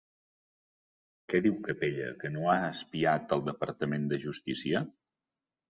Què diu Capella que no ha espiat el departament de Justícia?